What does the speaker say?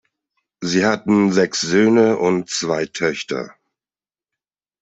Sie hatten sechs Söhne und zwei Töchter.